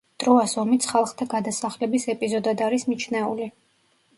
ტროას ომიც ხალხთა გადასახლების ეპიზოდად არის მიჩნეული.